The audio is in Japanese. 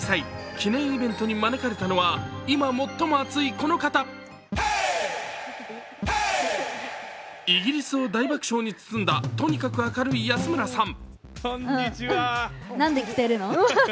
記念イベントに招かれたのは今最も熱い、この方イギリスを大爆笑に包んだとにかく明るい安村さん。